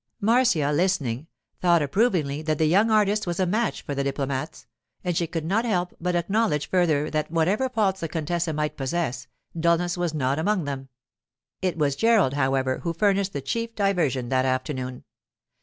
Marcia, listening, thought approvingly that the young artist was a match for the diplomats, and she could not help but acknowledge further that whatever faults the contessa might possess, dullness was not among them. It was Gerald, however, who furnished the chief diversion that afternoon.